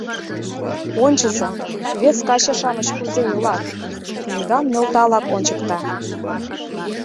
Ончыза, вес каче-шамыч кузе илат! — книгам нӧлталак ончыкта.